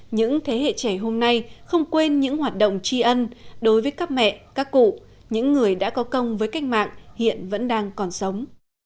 những thế hệ trẻ hôm nay không quên những hoạt động tri ân đối với các mẹ các cụ những người đã có công với cách mạng hiện vẫn đang còn sống